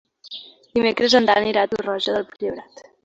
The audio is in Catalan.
Dimecres en Dan irà a Torroja del Priorat.